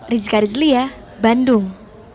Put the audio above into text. rizka rizliyah bandung